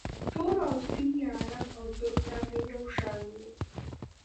تور او سپین یا عرب او ترک راته یو شان وو